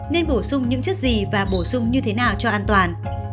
nên bổ sung những chất gì và bổ sung như thế nào cho an toàn